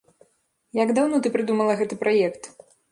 Як даўно ты прыдумала гэты праект?